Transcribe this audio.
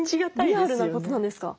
リアルなことなんですか？